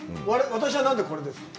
私は何でこれですか？